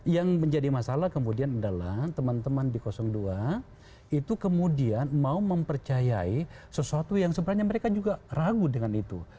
yang menjadi masalah kemudian adalah teman teman di dua itu kemudian mau mempercayai sesuatu yang sebenarnya mereka juga ragu dengan itu